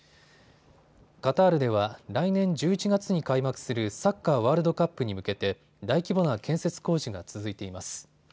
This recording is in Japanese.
カタールでは来年１１月に開幕するサッカーワールドカップに向けて大規模な建設工事が続いています。